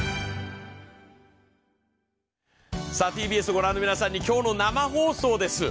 ＴＢＳを御覧の皆さんに今日の生放送です。